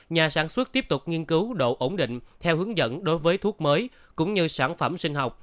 nhà sản xuất tiếp tục nghiên cứu độ ổn định theo hướng dẫn đối với thuốc mới cũng như sản phẩm sinh học